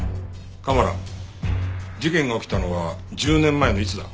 蒲原事件が起きたのは１０年前のいつだ？